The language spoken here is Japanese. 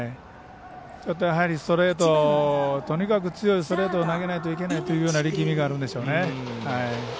やはりとにかく強いストレートを投げないといけないというような力みがあるんでしょうね。